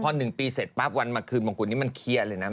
พอ๑ปีเสร็จปั๊บวันมาคืนมงกุฎนี้มันเคลียร์เลยนะ